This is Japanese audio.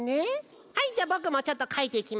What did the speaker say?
はいじゃあぼくもちょっとかいていきますよ。